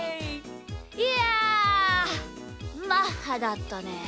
いやマッハだったね。